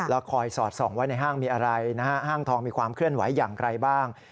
แล้วคอยสอดส่องไว้ในห้างมีอะไรนะฮะห้างทองมีความเคลื่อนไหวอย่างไรบ้าง